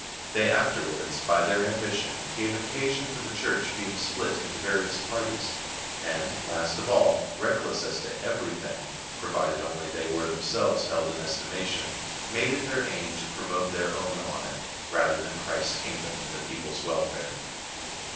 Tliey afterwards, hy their ambition, gave occasion for the Church being split into various parties ; and, last of all, reckless as to every thing, provided only they were themselves held in estimation, made it their aim to promote their own honour, rather than Christ's kingdom and the people's welfare.